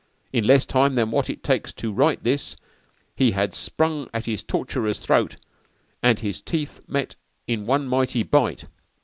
In less time than wot it takes to rite this he had sprang at his torturer's throte and his teeth met in one mighty bite.